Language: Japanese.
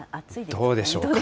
どうでしょうか。